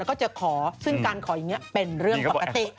แล้วก็จะขอซึ่งการขออย่างนี้เป็นเรื่องปกติ